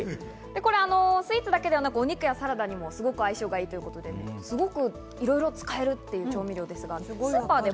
スイーツだけではなく、お肉やサラダにも相性が良いということで、いろいろ使えるっていう調味料です。